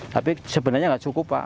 tapi sebenarnya enggak cukup lah